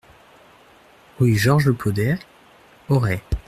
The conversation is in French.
Rue Georges Le Poder, Auray